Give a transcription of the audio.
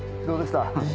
どうでした？